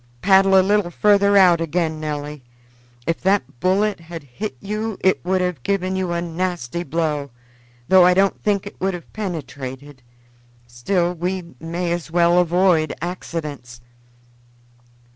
"Paddle a little further out again, Nelly. If that bullet had hit you it would have given you a nasty blow, though I don't think it would have penetrated; still we may as well avoid accidents."